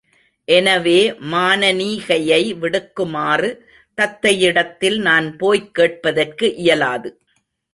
எனவே மானனீகையை விடுக்குமாறு தத்தையிடத்தில் நான் போய்க் கேட்பதற்கு இயலாது.